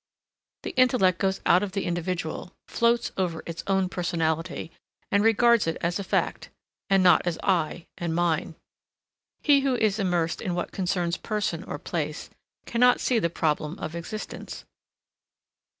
The intellect goes out of the individual, floats over its own personality, and regards it as a fact, and not as I and mine. He who is immersed in what concerns person or place cannot see the problem of existence.